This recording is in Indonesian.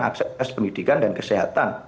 akses pendidikan dan kesehatan